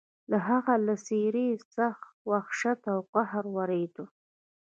د هغه له څېرې څخه وحشت او قهر ورېده.